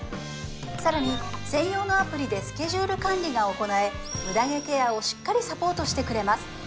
さらに専用のアプリでスケジュール管理が行えムダ毛ケアをしっかりサポートしてくれます